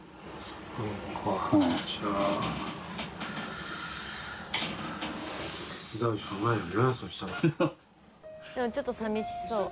山本）でもちょっとさみしそう。